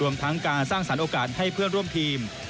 ทั้งการสร้างสรรค์โอกาสให้เพื่อนร่วมทีม